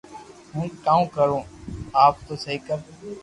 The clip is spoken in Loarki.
ھون ڪاوُ ڪارو اپ تو سھي ڪر